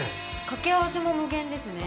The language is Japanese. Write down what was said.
掛け合わせも無限ですね